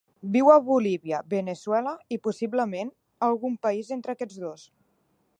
Viu a Bolívia, Veneçuela i, possiblement, algun país entre aquests dos.